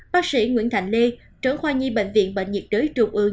bác sĩ nguyễn thạnh lê trưởng khoa nhi bệnh viện bệnh nhiệt đới trung ương